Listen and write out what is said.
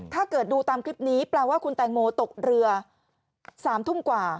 ถ้าเกิดดูตามคลิปนี้แปลว่าคุณแตงโมตกเรือ๓ทุ่มกว่า